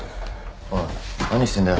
おい何してんだよ。